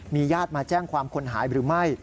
ญาติมาแจ้งความคนหายหรือไม่